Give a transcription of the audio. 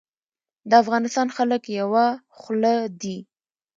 د افغانستان خلک یوه خوله دي